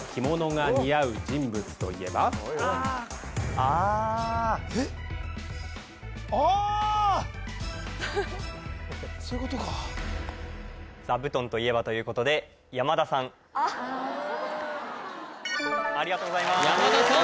あそういうことか座布団といえばということでああありがとうございます山田さん